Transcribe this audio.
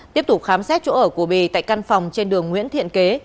tiếp tục khám xét chỗ ở của bì tại căn phòng trên đường nguyễn thiện kế